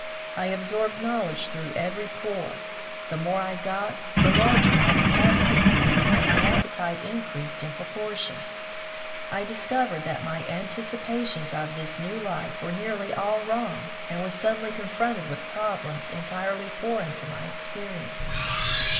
I absorbed knowledge through every pore. The more I got, the larger my capacity grew, and my appetite increased in proportion. I discovered that my anticipations of this new life were nearly all wrong, and was suddenly confronted with problems entirely foreign to my experience.